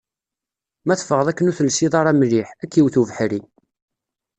Ma teffɣeḍ akken ur telsiḍ ara mliḥ, ad k-iwet ubeḥri.